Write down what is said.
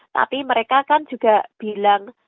tapi mereka kan juga bilang